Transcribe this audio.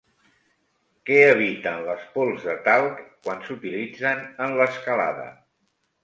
Què eviten les pols de talc quan s'utilitzen en l'escalada?